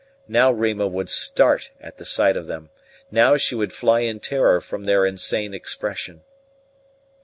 Now Rima would start at the sight of them; now she would fly in terror from their insane expression."